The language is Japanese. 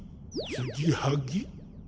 つぎはぎ？